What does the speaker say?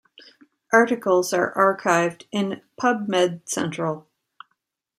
Articles are archived in PubMed Central.